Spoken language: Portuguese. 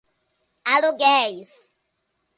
aluguéis